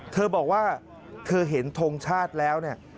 เธอบอกว่าเธอเห็นทงชาติแล้วเนี่ย